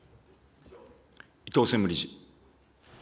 伊藤専務理事。